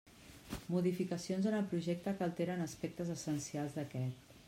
Modificacions en el projecte que alteren aspectes essencials d'aquest.